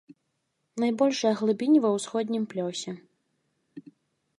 Найбольшыя глыбіні ва ўсходнім плёсе.